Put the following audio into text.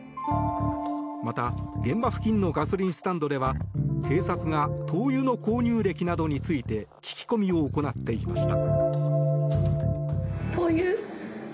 また、現場付近のガソリンスタンドでは警察が灯油の購入歴などについて聞き込みを行っていました。